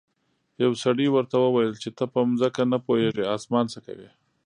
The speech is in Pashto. یو سړي ورته وویل چې ته په ځمکه نه پوهیږې اسمان څه کوې.